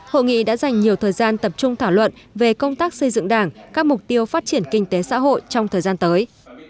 hội nghị đã dành nhiều thời gian tập trung thảo luận về công tác xây dựng đảng các mục tiêu phát triển kinh tế xã hội trong thời gian tới